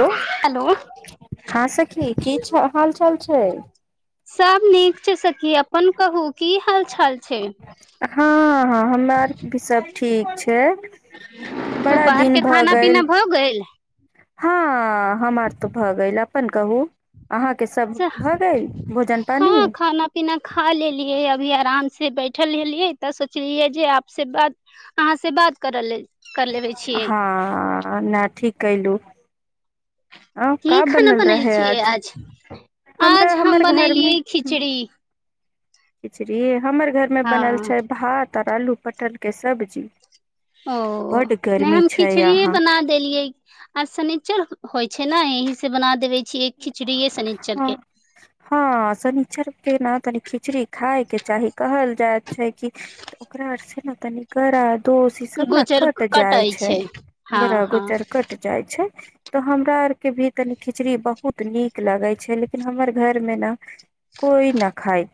हो हेलो हँं सखी की हाल चाल छै सब नीक छै सखी अपन कहू की हाल चाल छै हँ ह हमरा आरके भी सब ठीक ठीक छै त बड़ा दिन बाहरके खाना पीना भऽ गेल हाँ हाँ हमर त भऽ ग गेलक अपन कहू अहाँके सब भऽ गेल भोजन पानी हँ खाना पीना खा लेलियए अभी आराम से बैठल हिलियै तऽ सोचलियै जे आपस बात अहाँ से बात करअ लेल हँ नइ ठीक केलू की खाना बनाइ छियै आज हमरा आज हमर हम बनेलियै खिचड़ी खिचरी हमर घर मे बनल हँ छै भात तरलू पटर के सब्जी ओ बड नइ गर्मी हम छै खिचड़ीेये यहाँ बना देलियै आज शनिचर होइ छै नै चहि सँ बना देब हँ हँ शनीचर के न तनी खिचड़ खाय केऽ चाही कहल जाय छै कि तऽ ओकरा आर से न तनि ग्रह दोस ई सब न गोचर कट जाय कटाइ छै हँ गरह हँ गोचर कट जाय छै तऽ हमरा आर के भी तनी खिचड़ी बहु बहुत नीक लागै छै लेकिन हमर घर मे न कोइ न खाय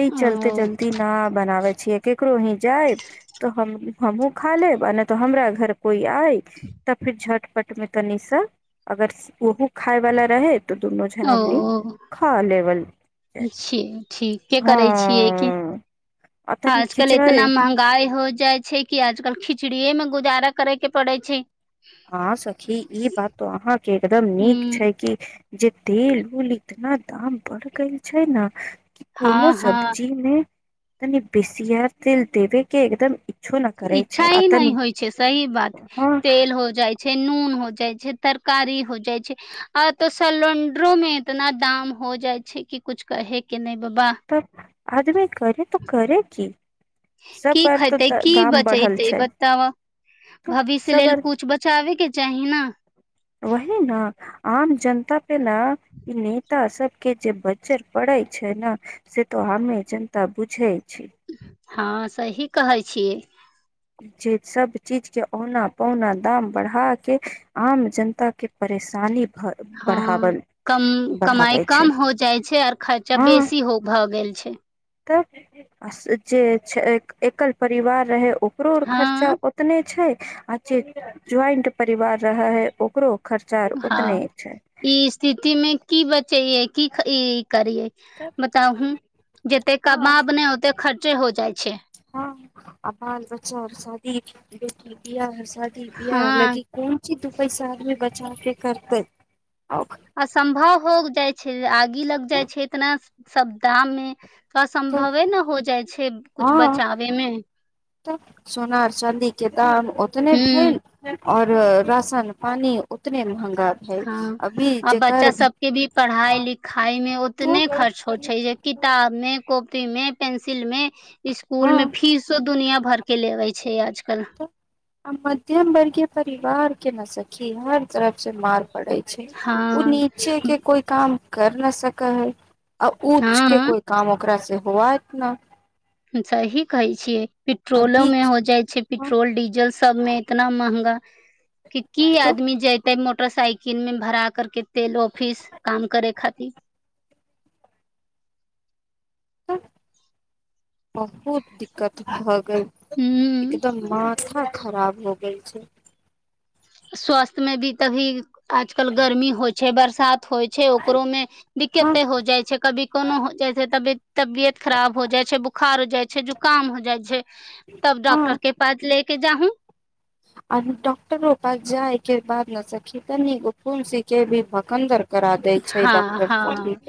एहि चलते ओ जल्दी न बनावइ केकरो ही जायब त हम हमहू खा लेब आ नइ तऽ हमरा घर कोइ आइ तऽ फिर झट पट मे तनी सा अगर ओहो खााय वाला रहै तऽ दुनू जन हमनी खा लेवल जाय छै ठीके करै छियै कि हँ आ तनि आजकल खिचड़ै एतना महंगाई हो जाइ छै कि आजकल खिचड़ीे मे गुजारा करे के पड़े छै हँ सखी ई बात तो अहाँके एकदम नीक हूँ छै कि जे तेल उल इतना दाम बढ़ गेल छै न कोनो हँ हँ सब्जी मे तनी बेसियर तेल देबे के एकदम इच्छो न करे इच्छा छै आ ही नहि तनी होइ छै सही बात हँ तेल हो जाइ छै नून हो जाय छै तरकारी हो जाय छै आ तो सलेंडरो में इतना दाम हो जाय छै कि कुछ कहे के नहि बाबा तब आदमी करे तऽ करे की सब की बार तो खेते द की दाम बढ़ल बचेते छै बताब त भविष्य सब लेल बार कुछ बचाबे के चाही ना जेना ई नेता सबके जे बजर पड़ै छै न से त हमे जनता बुझै छी हँ सही कहै छियै जे सब चीज के औना पौना दाम बढ़ा के आम जनता के परेशानी भ हँ बढ़ावल कम कमाई बढ़ाबै छै कम हो जाइ छै आओर खर्चा बेसी भए गेल छै त जे एकल परिवार रहै कोर खर्चा हँ ओतने छै अच्छे ज्वाइंट परिवार रहा है ओकरो खर्चा ओतने हँ छै ई स्थिति मे की बता च क ई ई करिये तब बताहुू जते हँ कमाब नहि ओते खर्चे हो जाइ छै हँ आ बाल बच्चार शादी बेटी बआाह शादी बिाह हँ लगी कोन ची दू पैसा आदमी बचाव के करते आओ असम्भव हो जाइ छै आग ी लग जाइ छै इतना सब दाम मे असम्भवे ने हो जाइ छै कुछु हँ बचाबे मे सोनार चाँदी के त ओतने हूँ भेल और राशन पानी उतने महंगे हँ आ बच्चा सबके भी पढ़ाई लिखाई मे तो उतने खर्च हो छै जे किताब मे को ी मे पेंसिल मे स्सकूल में हँ फीसो दुनिया भर के लेवे छै य आजकल तऽ आ मध्यम वर्गीय परिवार के नसखी हर तरफ से मार पै छै ओ हँ नीचे के कोइ काम कर न सकै है आ ऊँच के हँ कोइ काम ओकरा से होआयत ना सही कहै छियै पेट्रोलो मे बीच हो जाइ छै पेट्रोल डीजल सबमें इतना महँगा की की तो आदमी जतै मो मोटरसाइकिल मे भरा करके तेल ऑफिस काम करे खातिर बहुत दिक्कत भ हूँ एकदम मथा खराब हो गेल छै स्वास्थ मे भी तभी आजकल गर्मी होइ छै बरस होइ छै ओकरो मे हँ दिक्कते हो जाइ छै कभी कोनो हो जाइ छै तबी तबियत खराब हो जाइ छै बुखार हो जाइ छै जुकाम हो जाइ छै तब हँ डॉक्टर के पास लेके जाहू आ ॉकटर रो जा बाद नुलसी के भी भकन्दर करा देय छै हँ डॉक्टर सब भी हँ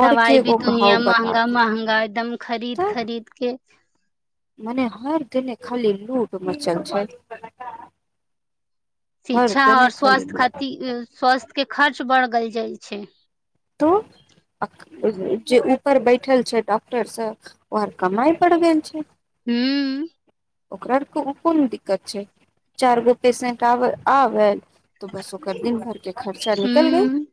दवाइ भी गो घाव दुनिया बता महगा के महँगा एकदम खरीद तऽ खरीद के मने हर घने खाली लूट मचल छै हर शिक्षा आऔर दने खाली स्वास्थ्य लूट खातिर स्वास्थ्य के खर्च बरगल जाइ छै तू जे ऊपर बैठल छै डॉक्टर सब ओर कमााय पड़ब छै हू ओकरा कोन दिक्कत छै चार गो पेसेंट आब आबल तऽ बस ओकर दिन भार खर्चा निकल गय हूँ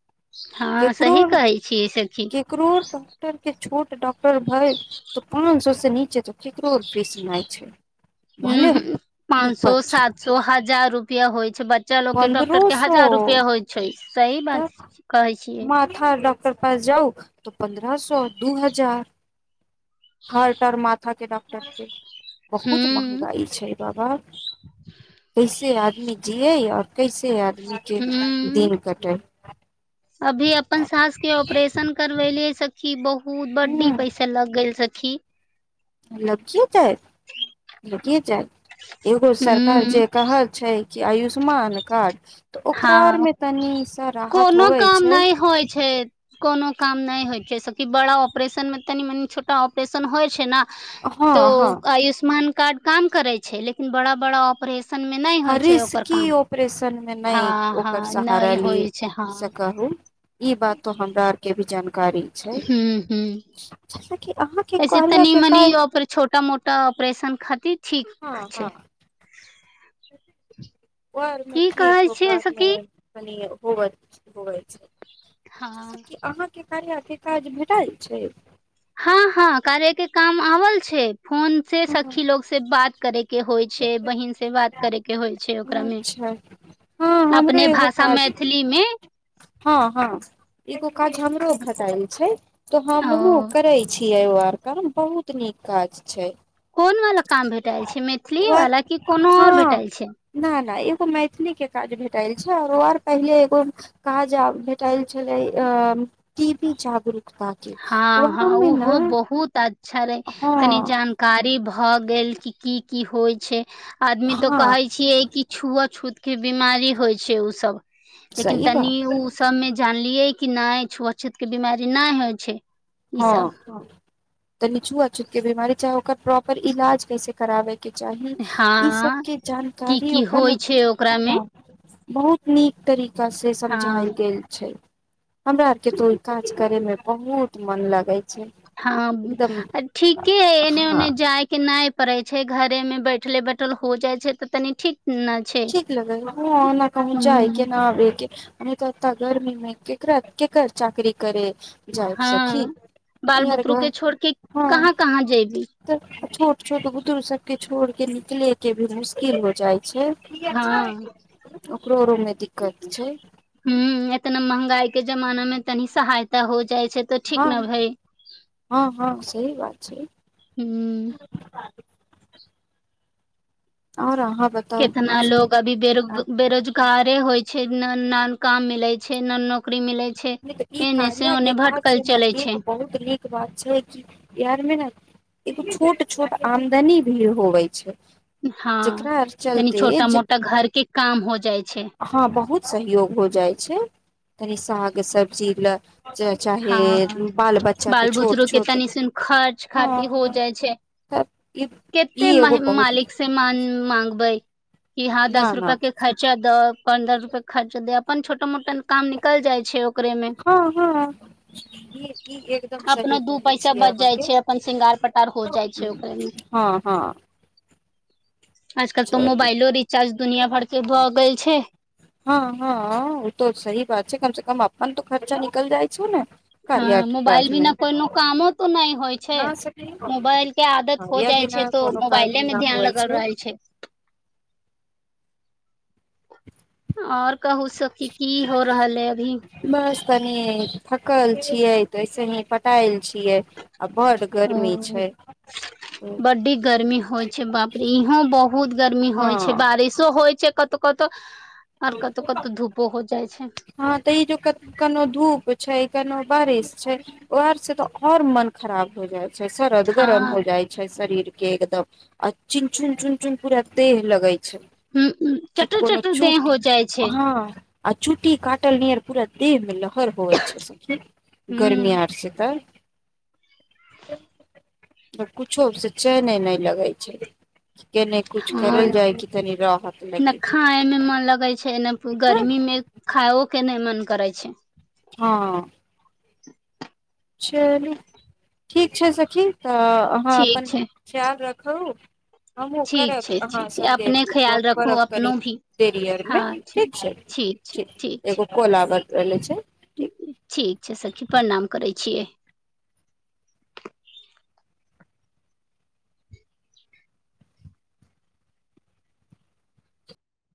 हँ ककरो सही कहै छियै सखी ककरो ॉक्टर के छोटे डॉक्टर भै तऽ पाँच सए से नीचे तो केकरोर फीस नहि छै भले ह पाँच ऊपर सए छै सात सए हजार रुप रुपया होइ बच्चा लोग डॉक्टर पन्द्रहो के सौ हजार रुपआ होय छै सही तऽ बात कहै छियै माथा डॉक्टर पास जाउ त पन्द्रह सए दू हजार हर टर माथा के [unintelligible] बहुत हूँ महँगाई छै बाबा कैसे आदमी जियए या कैसे आत हूँ दिन कटे अभी अप अपन सास के ऑपरेशन करब पहिले स किी बहुत बत बड्डी पैसे लग गेल सी लग जाय ल जाय एगो सरकार हूँ जे कहल छै की आयुष्मान कार्ड तऽ ओकरा आर हँ मे तनी सा राहत कोनो होवे काम छै नइ होइ छै कोनो काम नहि होइ सखी बड़ा परेशनमे तनी मनी छोटा ऑपरेशन होइ छै न तो हँ हँ आयुष्मान कार्ड काम करै छै लेकिन बड़ा बड़ा ऑपरेश ह रीस्की ऑपरेशन नइ हँ ओकर हँ सहारा नहि ली होइ छै हँ से कहु ई बात त हमरा आरके भी जानकार हू हू जैस कि अहाँ के ऐसे कहलिय तनी के मनी काज छोटा मोटा ऑपरेशन खातिर ठीक हँ छै हँ [inaudible] ओरमे की क कहै छियै ओकरामे सखी कनी होबै होबै छै हँ सखी अहाँके कार्या काज भेटल छै हँ हँ कार्या के काम आबल छै फोन से अच्छा सखी लोग से बात करै के होइ छै बहिन से बात करै अच्छा हँ हमरो अपने एगो भाषा काज मैथिली मे हँ हँ एगो काज हम रो भटाइल छै तऽ हम ओ करै छी यै ओआर काम बहुत नीक काज छै कोन वाला काम भेटाइल छै मैथिली ओ आर। वाला की कोनो आओर हँ भेटाइल छै न नहि एगो मैथिली के काज भेटाइल अच्छा आरो आर पहिले एगो काजा भेटाइल छलै अ टी पी चाकुल हँ हँ ओहो बहुत आ अच्छा रहे तनी हँ जानकारी भ भऽ गेल की की होइ छै आदमी तो हँ कहै छियै कि छुआ छूत के बिमारी होइ छै उसभ लेकिन सही तनि बात ओ सबमे जानलियै कि नहि छुअछत के बिीमारी नहि होय छै ई सब हँ तनी छुआ छूत के बीमार चाह ओकर प्रॉपर इलाज कैसे कराबे के चाही ई हँ सबके की जानकारी की होइ उपब छै ओकरा मे बहुत नीक तरीका से हँ समझााय गेल छै हमरा आरके तो काज करेमे बहुत मन लागै हँ ठीके एने हँ ओने जाय के नहि पड़ै छै घरे मे बैठले बैठल हो जाइ छै तऽ तनी ठीक ने छै ठीक लगै कह जाइ के हूँ नहि आब के नहि तऽतऽ गर्मीमे के कर के कर चाकरी करे जायब सखी हँ बाल बुतरू के छोड़ के कहाँ कहाँ जेयबी त छोट छोट बुजुग सबके छोड़ के निकले के भी मुश्किल हो जाइ हँ [inaudible] कोरो मे दिक्कत छै ह एतना महंगाई के जमाना मे तनी सहायता हो जाइ छै तऽ ठीक हँ ने भई हँ हँ सह बात छै हूँ आओर आहा कितना लोग अभी बेरो बेरोजगारे होइ छै न काम मिले छै न नौकरी मिले छै नहि त ई एने से कार्य के ओने काज भटकल जेना चलै छै एगो बहुत नीक बात छै कि बिार मे ने एगो छोट छोट आमदनी भी होवे छै हँ जेकरा आर तनी चलते छोटा जे मोटा घरके काम हो जाइ छै हँ बहुत सहयोग हो जाइ छै तनी स सब्जी ल चाहे हँ हँ बाल बच्चा के छोट बालबुदरू के त छोट नि सुन खर्च खाति हो हँ जाइ छै तब ई ई कते एगो बहुत मालिक से मान माग बइ कि हँं न दस न रुपआ के खर्चा द पन्द्रह रुपआ के खर्चा दे अपन छोट मोटा काम निकल जाय छै ओकरे मे हँ हँ ई ई एकदम सही अपनो दू कहै पैसा छियै बच जाइ अहाँके छै अपन श्रृंगार पटार हो जाइ छै ओकरे मे हँ हँ आजकल तऽ चलू मोबाइलो रिचार्ज दुनिया भर के भऽ गेल छै हँ हँ ओ त सही बात छै कम से कम अपन तऽ खर्चा निकल जाइ छ ने कार्या हँ के मोबाइल काज मे बिना कोनो कामो तो नहि होइ छै मोबाइल के आदत हो कार्या जाइ छै बिना तो कोनो काज मोबाइले मे न ध्यान होइ लगल रह छै आओर कहू स किी की हो रहल है अभी कनी थकल छियै त ऐस ही पटाल ओ बड्डी गर्मी होइ छै बाप रे इहों बहुत गर्मी होइ छै हँ बारिशो होइ छै क तऽ कतऽ हँ तऽ ई ज क कनो धूप छै केनो बारिश छै उर से तो और मन खराब हो जायत शरद गरम हो हँ जाइ छै शरीर एकदम आ चिन चुन चुन चुन पूरा देह लगै छै ह कि चटर कोनो चटर देह चूटी हो जा हँ आ चुट्टी काटल नर पूरा देव मिल खर होइ छै सखी गरमी ह आर छै त [unintelligible] तब कुछो से चहने नहि लगै छै के नहि कुछ हँ करल जाए कि तनी राहत ने लगे खाय मे मन लगे छै ने गर्मी मे खाो के नहि मन करै छै हँ चलू ठीक छै सखी तऽ अहाँ ठीक अपन छै ख्याल रख ह हमूँ ठीक छै करब अहाँ ठीक छै सगे अपने ख्याल गप रखू करब कनि अपनो भी देरीियर हँ मे ठीक छै ठीक छै ठ ठीक छै एगो कोला बल रहललै छै ठीक ठीक छै सखी प्रणाम करै छियै